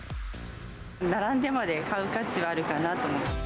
並んでまで買う価値はあるかなと。